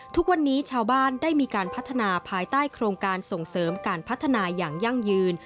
ทุกวันนี้ชาวบ้านได้มีการพัฒนาภายใต้โครงการส่งเสริมการพัฒนาอย่างยั่งยืน